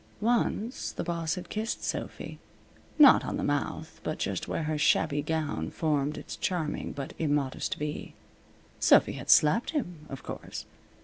Once the boss had kissed Sophy not on the mouth, but just where her shabby gown formed its charming but immodest V. Sophy had slapped him, of course.